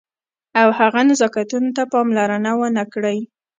او هغو نزاکتونو ته پاملرنه ونه کړئ.